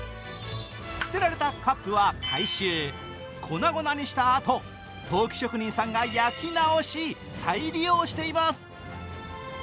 捨てられたカップは回収、粉々にしたあと陶器職人さんが焼き直し、再利用しています。